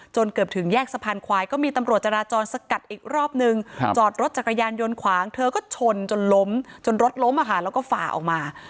เกือบถึงแยกสะพานควายก็มีตำรวจจราจรสกัดอีกรอบนึงจอดรถจักรยานยนต์ขวางเธอก็ชนจนล้มจนรถล้มแล้วก็ฝ่าออกมา